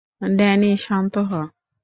Danny, শান্ত হ।